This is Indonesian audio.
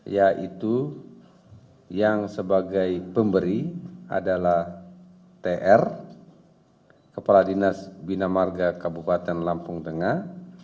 yaitu yang sebagai pemberi adalah tr kepala dinas bina marga kabupaten lampung tengah